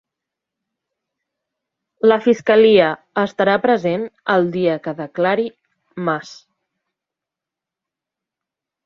La fiscalia estarà present el dia que declari Mas